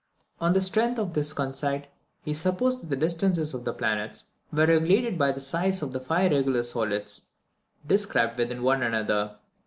On the strength of this conceit, he supposed that the distances of the planets were regulated by the sizes of the five regular solids described within one another.